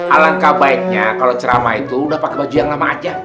alangkah baiknya kalau ceramah itu udah pakai baju yang lama aja